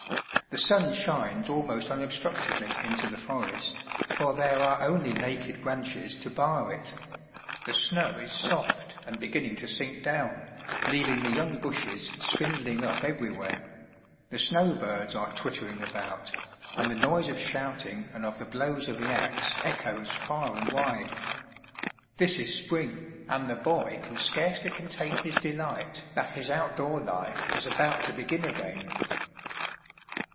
The sun shines almost unobstructedly into the forest, for there are only naked branches to bar it; the snow is soft and beginning to sink down, leaving the young bushes spindling up everywhere; the snow birds are twittering about, and the noise of shouting and of the blows of the ax echoes far and wide. This is spring, and the boy can scarcely contain his delight that his out door life is about to begin again.